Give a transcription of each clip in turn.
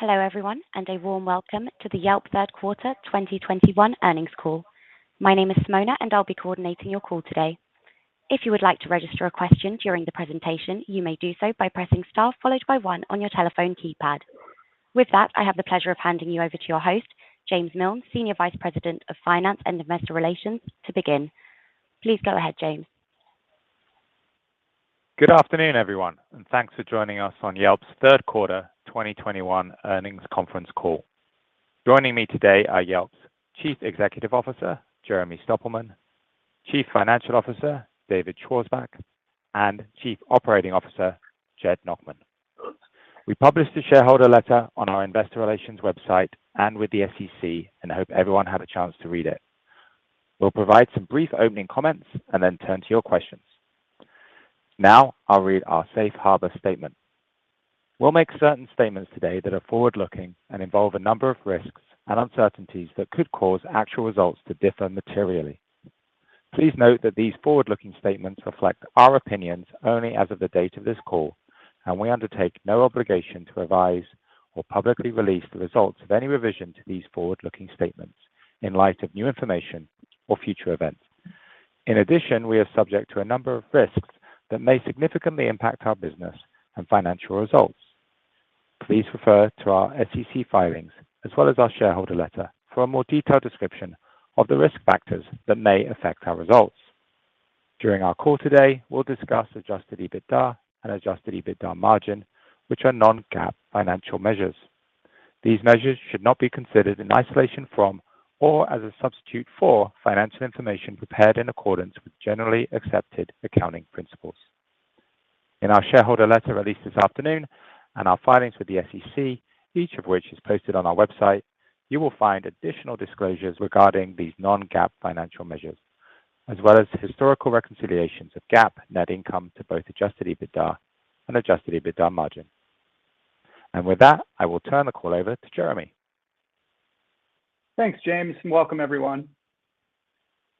Hello everyone, and a warm welcome to the Yelp third quarter 2021 earnings call. My name is Simona, and I'll be coordinating your call today. If you would like to register a question during the presentation, you may do so by pressing star followed by one on your telephone keypad. With that, I have the pleasure of handing you over to your host, James Miln, Senior Vice President of Finance and Investor Relations to begin. Please go ahead, James. Good afternoon, everyone, and thanks for joining us on Yelp's third quarter 2021 earnings conference call. Joining me today are Yelp's Chief Executive Officer, Jeremy Stoppelman, Chief Financial Officer, David Schwarzbach, and Chief Operating Officer, Jed Nachman. We published a shareholder letter on our investor relations website and with the SEC and hope everyone had a chance to read it. We'll provide some brief opening comments and then turn to your questions. Now I'll read our safe harbor statement. We'll make certain statements today that are forward-looking and involve a number of risks and uncertainties that could cause actual results to differ materially. Please note that these forward-looking statements reflect our opinions only as of the date of this call, and we undertake no obligation to revise or publicly release the results of any revision to these forward-looking statements in light of new information or future events. In addition, we are subject to a number of risks that may significantly impact our business and financial results. Please refer to our SEC filings as well as our shareholder letter for a more detailed description of the risk factors that may affect our results. During our call today, we'll discuss adjusted EBITDA and adjusted EBITDA margin, which are non-GAAP financial measures. These measures should not be considered in isolation from or as a substitute for financial information prepared in accordance with generally accepted accounting principles. In our shareholder letter released this afternoon and our filings with the SEC, each of which is posted on our website, you will find additional disclosures regarding these non-GAAP financial measures, as well as historical reconciliations of GAAP net income to both adjusted EBITDA and adjusted EBITDA margin. With that, I will turn the call over to Jeremy. Thanks, James, and welcome everyone.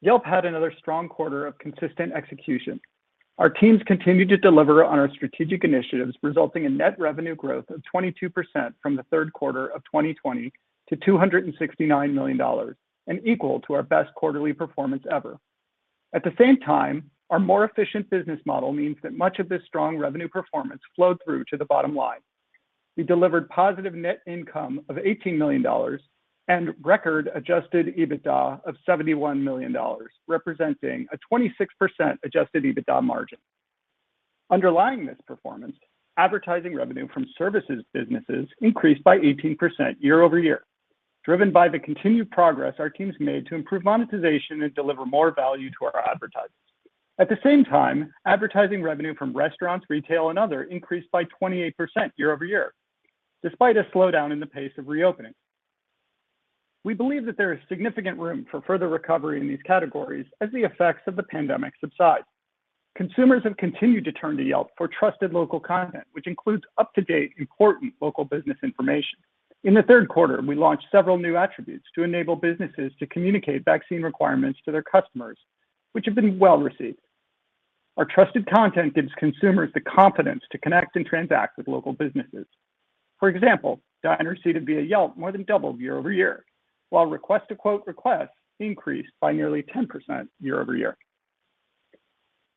Yelp had another strong quarter of consistent execution. Our teams continued to deliver on our strategic initiatives, resulting in net revenue growth of 22% from the third quarter of 2020 to $269 million and equal to our best quarterly performance ever. At the same time, our more efficient business model means that much of this strong revenue performance flowed through to the bottom line. We delivered positive net income of $18 million and record adjusted EBITDA of $71 million, representing a 26% adjusted EBITDA margin. Underlying this performance, advertising revenue from services businesses increased by 18% year-over-year, driven by the continued progress our teams made to improve monetization and deliver more value to our advertisers. At the same time, advertising revenue from restaurants, retail and other increased by 28% year-over-year, despite a slowdown in the pace of reopening. We believe that there is significant room for further recovery in these categories as the effects of the pandemic subside. Consumers have continued to turn to Yelp for trusted local content, which includes up-to-date, important local business information. In the third quarter, we launched several new attributes to enable businesses to communicate vaccine requirements to their customers, which have been well received. Our trusted content gives consumers the confidence to connect and transact with local businesses. For example, diners seated via Yelp more than doubled year-over-year, while request-to-quote requests increased by nearly 10% year-over-year.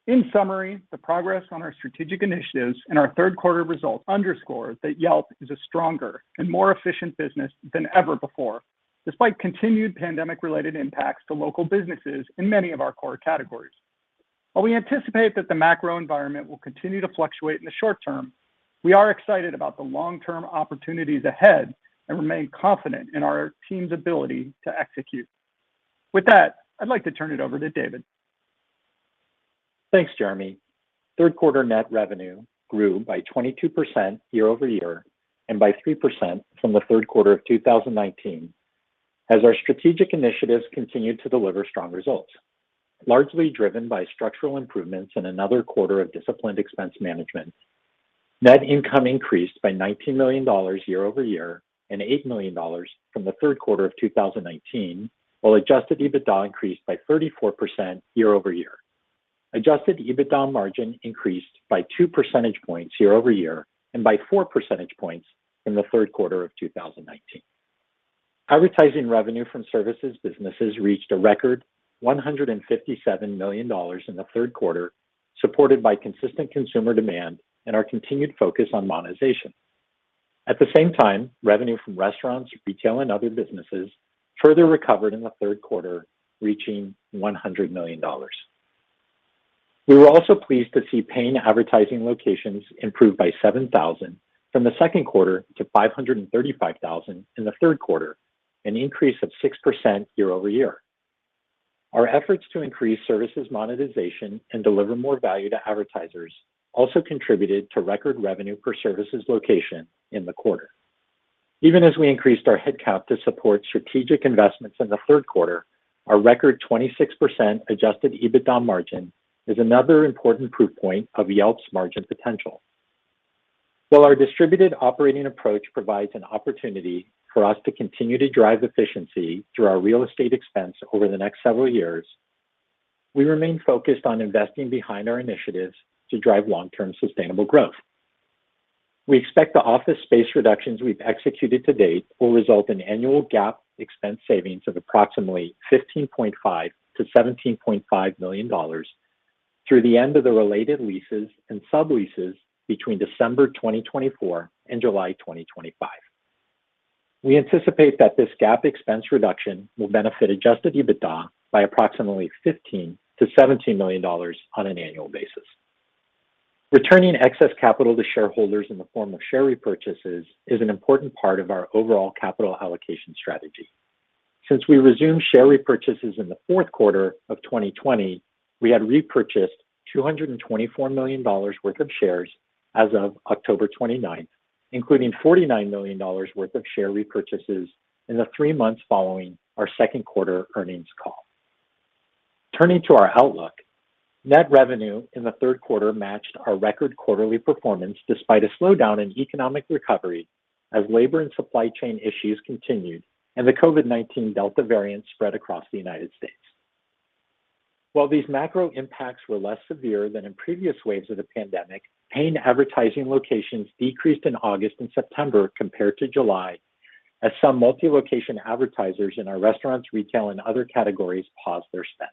In summary, the progress on our strategic initiatives and our third quarter results underscore that Yelp is a stronger and more efficient business than ever before, despite continued pandemic-related impacts to local businesses in many of our core categories. While we anticipate that the macro environment will continue to fluctuate in the short term, we are excited about the long-term opportunities ahead and remain confident in our team's ability to execute. With that, I'd like to turn it over to David. Thanks, Jeremy. Third quarter net revenue grew by 22% year-over-year and by 3% from the third quarter of 2019 as our strategic initiatives continued to deliver strong results. Largely driven by structural improvements and another quarter of disciplined expense management, net income increased by $19 million year-over-year, and $8 million from the third quarter of 2019, while adjusted EBITDA increased by 34% year-over-year. Adjusted EBITDA margin increased by two percentage points year-over-year and by four percentage points from the third quarter of 2019. Advertising revenue from services businesses reached a record $157 million in the third quarter, supported by consistent consumer demand and our continued focus on monetization. At the same time, revenue from restaurants, retail, and other businesses further recovered in the third quarter, reaching $100 million. We were also pleased to see paying advertising locations improve by 7,000 from the second quarter to 535,000 in the third quarter, an increase of 6% year-over-year. Our efforts to increase services monetization and deliver more value to advertisers also contributed to record revenue per services location in the quarter. Even as we increased our headcount to support strategic investments in the third quarter, our record 26% adjusted EBITDA margin is another important proof point of Yelp's margin potential. While our distributed operating approach provides an opportunity for us to continue to drive efficiency through our real estate expense over the next several years. We remain focused on investing behind our initiatives to drive long-term sustainable growth. We expect the office space reductions we've executed to date will result in annual GAAP expense savings of approximately $15.5 million-$17.5 million through the end of the related leases and subleases between December 2024 and July 2025. We anticipate that this GAAP expense reduction will benefit adjusted EBITDA by approximately $15 million-$17 million on an annual basis. Returning excess capital to shareholders in the form of share repurchases is an important part of our overall capital allocation strategy. Since we resumed share repurchases in the fourth quarter of 2020, we had repurchased $224 million worth of shares as of October 29, including $49 million worth of share repurchases in the three months following our second quarter earnings call. Turning to our outlook, net revenue in the third quarter matched our record quarterly performance despite a slowdown in economic recovery as labor and supply chain issues continued and the COVID-19 Delta variant spread across the United States. While these macro impacts were less severe than in previous waves of the pandemic, paying advertising locations decreased in August and September compared to July, as some multi-location advertisers in our restaurants, retail, and other categories paused their spend.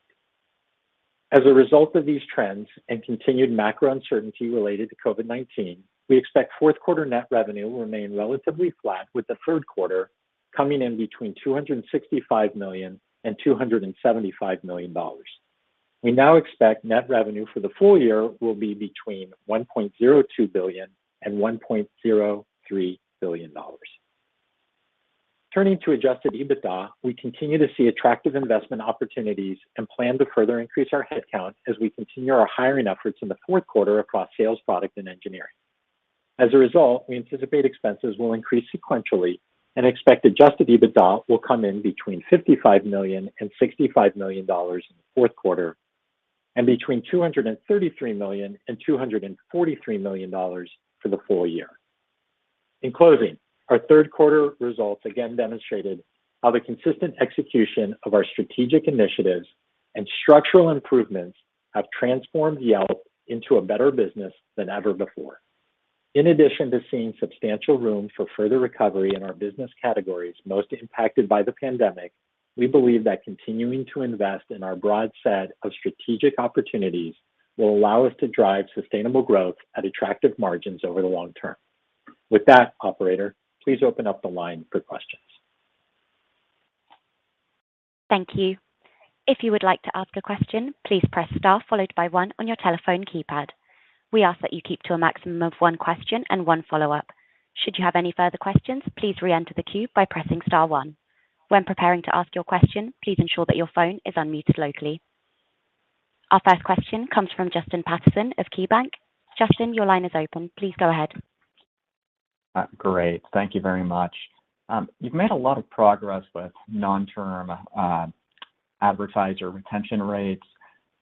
As a result of these trends and continued macro uncertainty related to COVID-19, we expect fourth quarter net revenue will remain relatively flat, with the fourth quarter coming in between $265 million and $275 million. We now expect net revenue for the full year will be between $1.02 billion and $1.03 billion. Turning to adjusted EBITDA, we continue to see attractive investment opportunities and plan to further increase our head count as we continue our hiring efforts in the fourth quarter across sales, product, and engineering. As a result, we anticipate expenses will increase sequentially and expect adjusted EBITDA will come in between $55 million and $65 million in the fourth quarter and between $233 million and $243 million for the full year. In closing, our third quarter results again demonstrated how the consistent execution of our strategic initiatives and structural improvements have transformed Yelp into a better business than ever before. In addition to seeing substantial room for further recovery in our business categories most impacted by the pandemic, we believe that continuing to invest in our broad set of strategic opportunities will allow us to drive sustainable growth at attractive margins over the long term. With that, operator, please open up the line for questions. Thank you. If you would like to ask a question, please press star followed by one on your telephone keypad. We ask that you keep to a maximum of one question and one follow-up. Should you have any further questions, please re-enter the queue by pressing star one. When preparing to ask your question, please ensure that your phone is unmuted locally. Our first question comes from Justin Patterson of KeyBanc. Justin, your line is open. Please go ahead. Great. Thank you very much. You've made a lot of progress with non-term advertiser retention rates.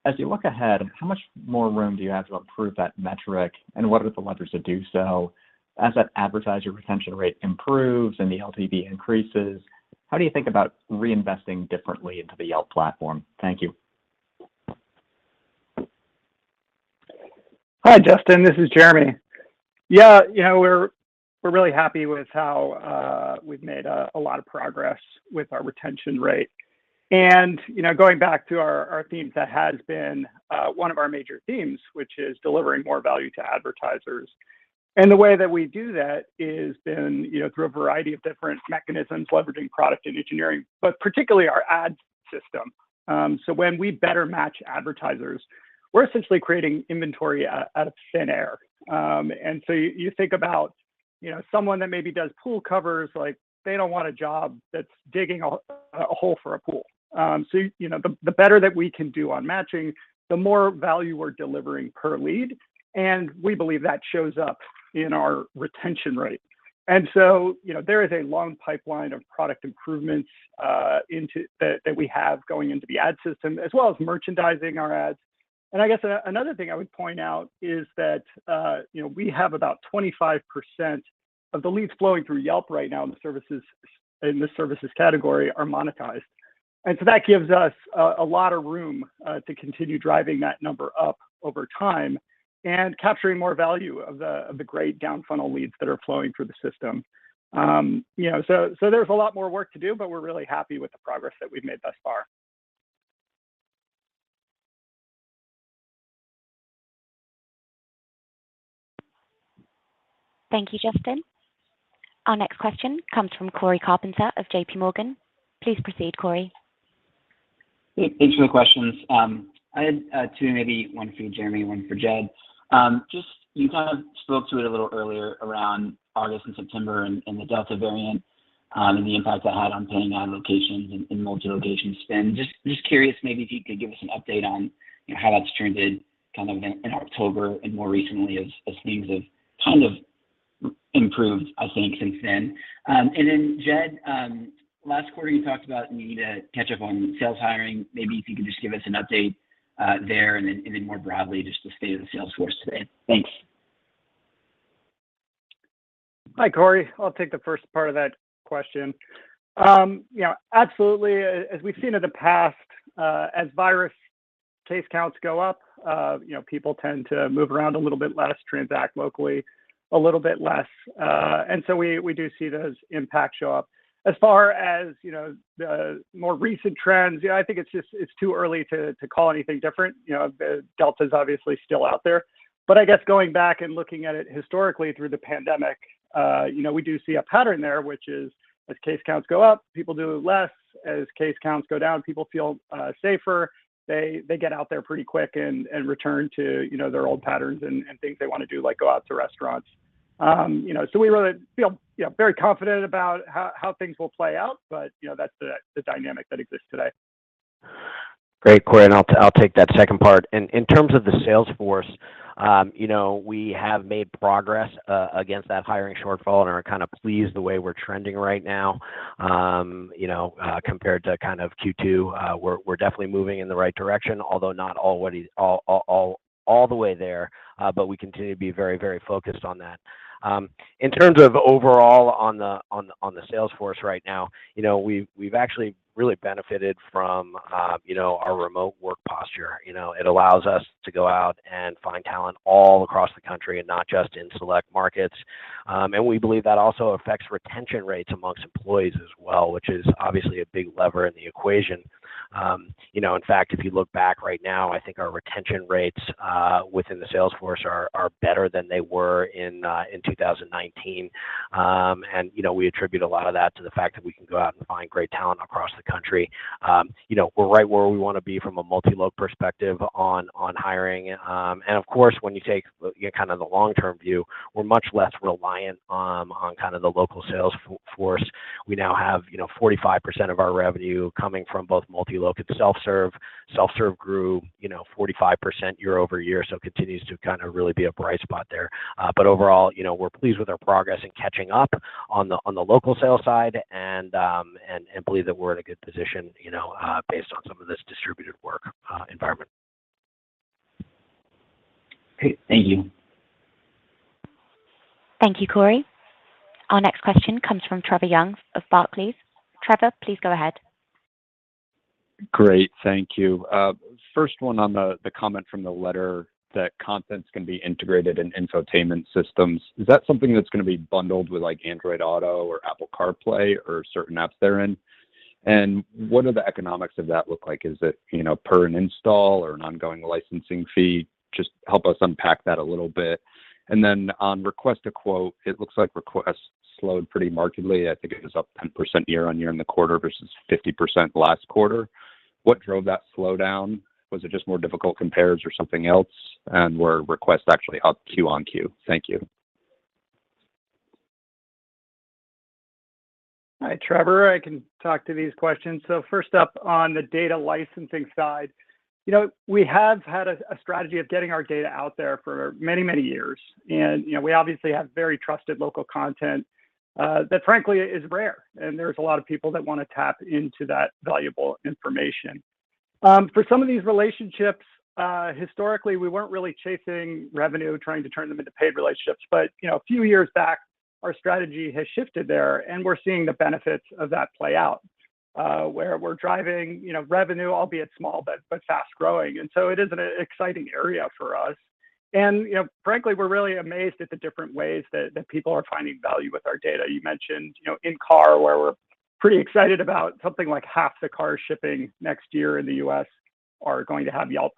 As you look ahead, how much more room do you have to improve that metric, and what are the levers to do so? As that advertiser retention rate improves and the LTV increases, how do you think about reinvesting differently into the Yelp platform? Thank you. Hi, Justin, this is Jeremy. Yeah, you know, we're really happy with how we've made a lot of progress with our retention rate. You know, going back to our theme that has been one of our major themes, which is delivering more value to advertisers, and the way that we do that has been, you know, through a variety of different mechanisms, leveraging product and engineering, but particularly our ad system. So when we better match advertisers, we're essentially creating inventory out of thin air. You think about, you know, someone that maybe does pool covers, like, they don't want a job that's digging a hole for a pool. You know, the better that we can do on matching, the more value we're delivering per lead, and we believe that shows up in our retention rate. You know, there is a long pipeline of product improvements into that we have going into the ad system, as well as merchandising our ads. I guess another thing I would point out is that, you know, we have about 25% of the leads flowing through Yelp right now in the services category are monetized. That gives us a lot of room to continue driving that number up over time and capturing more value of the great down-funnel leads that are flowing through the system. You know, there's a lot more work to do, but we're really happy with the progress that we've made thus far. Thank you, Justin. Our next question comes from Cory Carpenter of J.P. Morgan. Please proceed, Cory. Yeah, thanks for the questions. I had two, maybe one for you, Jeremy, one for Jed. Just you kind of spoke to it a little earlier around August and September and the Delta variant and the impact that had on paying ad locations and multi-location spend. Just curious, maybe if you could give us an update on, you know, how that's trended kind of in October and more recently as things have kind of improved, I think, since then. Then Jed, last quarter you talked about the need to catch up on sales hiring. Maybe if you could just give us an update there and then more broadly, just the state of the sales force today. Thanks. Hi, Cory. I'll take the first part of that question. You know, absolutely, as we've seen in the past, you know, as virus case counts go up, you know, people tend to move around a little bit less, transact locally a little bit less. We do see those impacts show up. As far as, you know, the more recent trends, you know, I think it's just too early to call anything different. You know, the Delta's obviously still out there. I guess going back and looking at it historically through the pandemic, you know, we do see a pattern there, which is as case counts go up, people do less. As case counts go down, people feel safer. They get out there pretty quick and return to, you know, their old patterns and things they wanna do, like go out to restaurants. You know, we really feel, you know, very confident about how things will play out, but, you know, that's the dynamic that exists today. Great, Cory. I'll take that second part. In terms of the sales force, you know, we have made progress against that hiring shortfall and are kind of pleased the way we're trending right now. You know, compared to kind of Q2, we're definitely moving in the right direction, although not all the way there. But we continue to be very focused on that. In terms of overall on the sales force right now, you know, we've actually really benefited from, you know, our remote work posture. You know, it allows us to go out and find talent all across the country and not just in select markets. We believe that also affects retention rates among employees as well, which is obviously a big lever in the equation. You know, in fact, if you look back right now, I think our retention rates within the sales force are better than they were in 2019. You know, we attribute a lot of that to the fact that we can go out and find great talent across the country. You know, we're right where we wanna be from a multi-loc perspective on hiring. Of course, when you take you know, kind of the long-term view, we're much less reliant on kind of the local sales force. We now have, you know, 45% of our revenue coming from both multi-loc and self-serve. Self-serve grew, you know, 45% year-over-year, so continues to kind of really be a bright spot there. Overall, you know, we're pleased with our progress in catching up on the local sales side and believe that we're in a good position, you know, based on some of this distributed work environment. Great. Thank you. Thank you, Cory. Our next question comes from Trevor Young of Barclays. Trevor, please go ahead. Great. Thank you. First one on the comment from the letter that content's gonna be integrated in infotainment systems. Is that something that's gonna be bundled with like Android Auto or Apple CarPlay or certain apps therein? What do the economics of that look like? Is it, you know, per an install or an ongoing licensing fee? Just help us unpack that a little bit. Then on Request a Quote, it looks like requests slowed pretty markedly. I think it was up 10% year-over-year in the quarter versus 50% last quarter. What drove that slowdown? Was it just more difficult compares or something else? Were requests actually up quarter-over-quarter? Thank you. Hi, Trevor. I can talk to these questions. First up, on the data licensing side, you know, we have had a strategy of getting our data out there for many years. You know, we obviously have very trusted local content that frankly is rare, and there's a lot of people that wanna tap into that valuable information. For some of these relationships, historically, we weren't really chasing revenue, trying to turn them into paid relationships. You know, a few years back, our strategy has shifted there, and we're seeing the benefits of that play out, where we're driving, you know, revenue, albeit small but fast-growing. It is an exciting area for us. You know, frankly, we're really amazed at the different ways that people are finding value with our data. You mentioned, you know, in-car, where we're pretty excited about something like half the cars shipping next year in the U.S. are going to have Yelp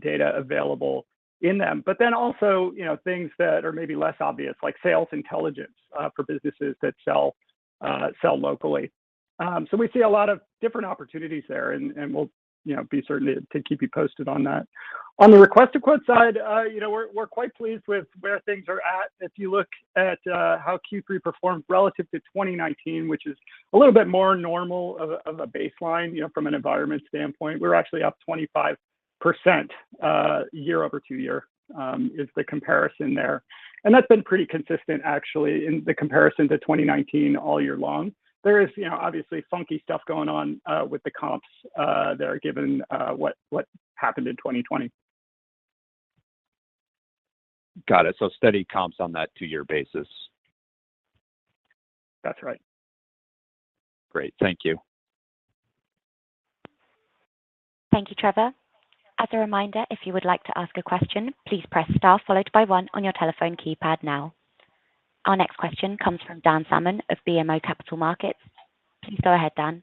data available in them. Then also, you know, things that are maybe less obvious, like sales intelligence for businesses that sell locally. We see a lot of different opportunities there, and we'll, you know, be certain to keep you posted on that. On the Request a Quote side, you know, we're quite pleased with where things are at. If you look at how Q3 performed relative to 2019, which is a little bit more normal of a baseline, you know, from an environment standpoint. We're actually up 25% year-over-year, is the comparison there. That's been pretty consistent actually in the comparison to 2019 all year long. There is, you know, obviously funky stuff going on with the comps that are given what happened in 2020. Got it. Steady comps on that two-year basis. That's right. Great. Thank you. Thank you, Trevor. As a reminder, if you would like to ask a question, please press star followed by one on your telephone keypad now. Our next question comes from Dan Salmon of BMO Capital Markets. Please go ahead, Dan.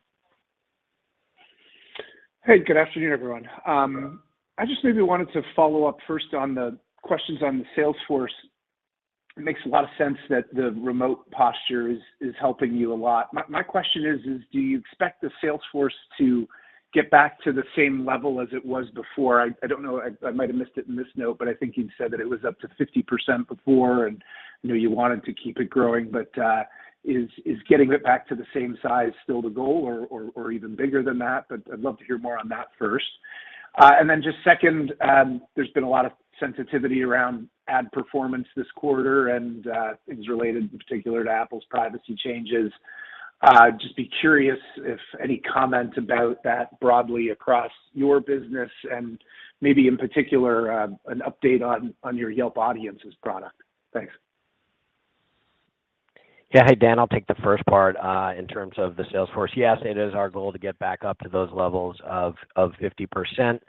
Hey, good afternoon, everyone. I just maybe wanted to follow up first on the questions on the sales force. It makes a lot of sense that the remote posture is helping you a lot. My question is, do you expect the sales force to get back to the same level as it was before? I don't know, I might have missed it in this note, but I think you'd said that it was up to 50% before, and you know, you wanted to keep it growing. Is getting it back to the same size still the goal or even bigger than that? I'd love to hear more on that first. Second, there's been a lot of sensitivity around ad performance this quarter and things related in particular to Apple's privacy changes. I'd just be curious if any comments about that broadly across your business and maybe in particular an update on your Yelp Audiences product. Thanks. Yeah. Hey, Dan. I'll take the first part. In terms of the sales force, yes, it is our goal to get back up to those levels of 50%.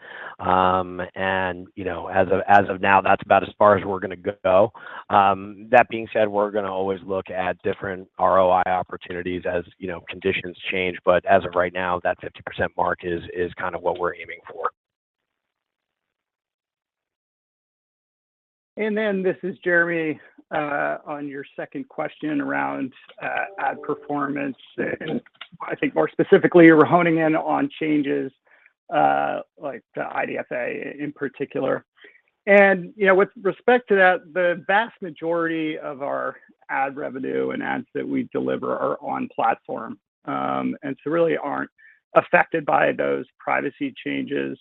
You know, as of now, that's about as far as we're gonna go. That being said, we're gonna always look at different ROI opportunities as, you know, conditions change. As of right now, that 50% mark is kind of what we're aiming for. This is Jeremy. On your second question around ad performance, and I think more specifically we're honing in on changes like the IDFA in particular. You know, with respect to that, the vast majority of our ad revenue and ads that we deliver are on platform its really aren't affected by those privacy changes.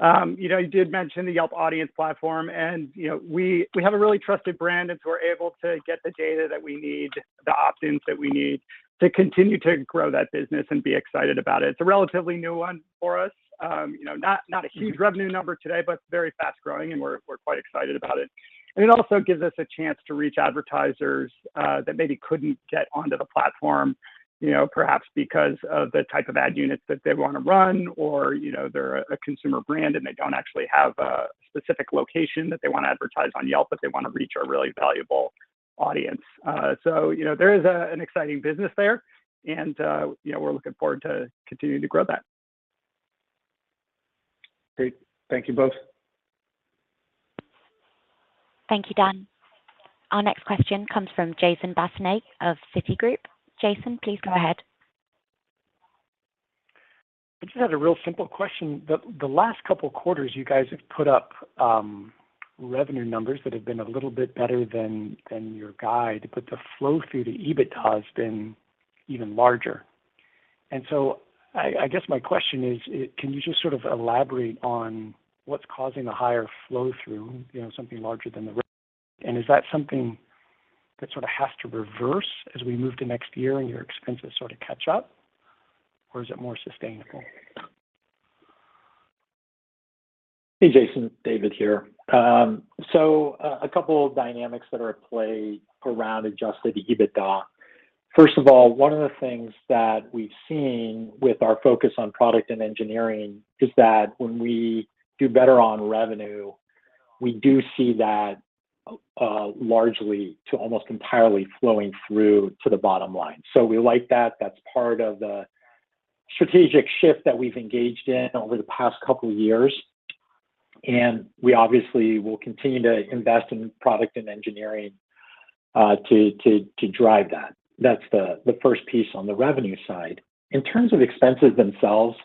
You know, you did mention the Yelp Audiences platform, and you know, we have a really trusted brand, and so we're able to get the data that we need, the opt-ins that we need to continue to grow that business and be excited about it. It's a relatively new one for us. You know, not a huge revenue number today, but very fast growing, and we're quite excited about it. It also gives us a chance to reach advertisers that maybe couldn't get onto the platform, you know, perhaps because of the type of ad units that they wanna run or, you know, they're a consumer brand, and they don't actually have a specific location that they wanna advertise on Yelp, but they wanna reach a really valuable audience. So, you know, there is an exciting business there and, you know, we're looking forward to continuing to grow that. Great. Thank you both. Thank you, Dan. Our next question comes from Jason Bazinet of Citigroup. Jason, please go ahead. I just had a real simple question. The last couple quarters you guys have put up revenue numbers that have been a little bit better than your guide, but the flow through to EBITDA has been even larger. I guess my question is, can you just sort of elaborate on what's causing the higher flow through, you know, something larger than the revenue? Is that something that sort of has to reverse as we move to next year and your expenses sort of catch up, or is it more sustainable? Hey, Jason. David here. A couple of dynamics that are at play around adjusted EBITDA. First of all, one of the things that we've seen with our focus on product and engineering is that when we do better on revenue, we do see that largely to almost entirely flowing through to the bottom line. We like that. That's part of the strategic shift that we've engaged in over the past couple years, and we obviously will continue to invest in product and engineering to drive that. That's the first piece on the revenue side. In terms of expenses themselves,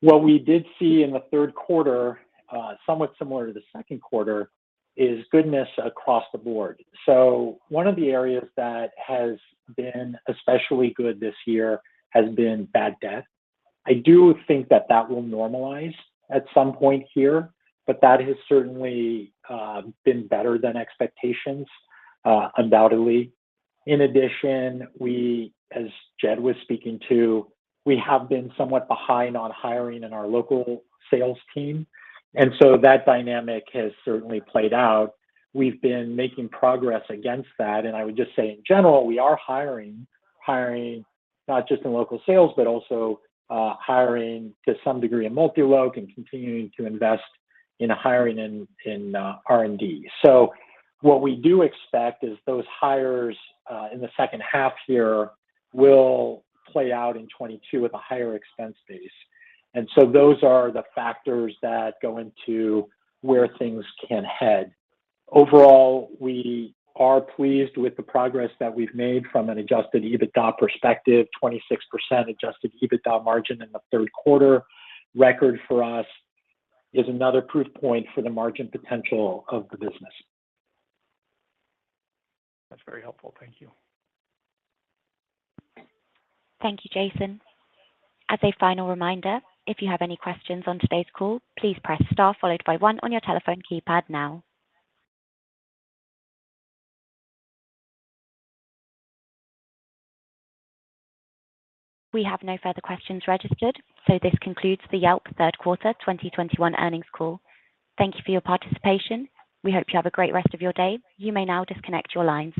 what we did see in the third quarter somewhat similar to the second quarter is goodness across the board. One of the areas that has been especially good this year has been bad debt. I do think that will normalize at some point here, but that has certainly been better than expectations, undoubtedly. In addition, we, as Jed was speaking to, we have been somewhat behind on hiring in our local sales team. That dynamic has certainly played out. We've been making progress against that, and I would just say in general, we are hiring not just in local sales, but also hiring to some degree in multi-loc and continuing to invest in hiring in R&D. What we do expect is those hires in the second half here will play out in 2022 with a higher expense base. Those are the factors that go into where things can head. Overall, we are pleased with the progress that we've made from an adjusted EBITDA perspective. 26% adjusted EBITDA margin in the third quarter record for us is another proof point for the margin potential of the business. That's very helpful. Thank you. Thank you, Jason. As a final reminder, if you have any questions on today's call, please press star followed by one on your telephone keypad now. We have no further questions registered, so this concludes the Yelp third quarter 2021 earnings call. Thank you for your participation. We hope you have a great rest of your day. You may now disconnect your lines.